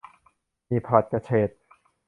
หมี่ผัดกระเฉด